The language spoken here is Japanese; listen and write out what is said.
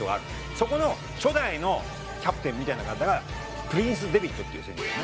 そこの初代のキャプテンみたいな方がプリンス・デヴィットっていう選手でね。